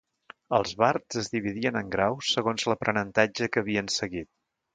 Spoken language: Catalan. Els bards es dividien en graus segons l'aprenentatge que havien seguit.